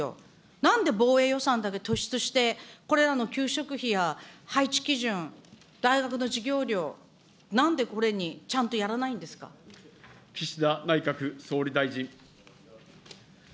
なんで防衛予算だけ突出して、これらの給食費や配置基準、大学の授業料、なんでこれにちゃんと岸田内閣総理大臣。